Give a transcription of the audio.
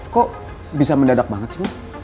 kok bisa mendadak banget sih